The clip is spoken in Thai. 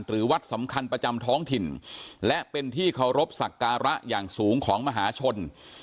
หรือวัดสำคัญประจำท้องถิ่นและเป็นที่เคารพสักการะอย่างสูงของมหาชน